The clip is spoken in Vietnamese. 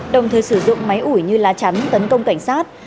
đồng thời sử dụng máy ủi như lá chắn tấn công cảnh sát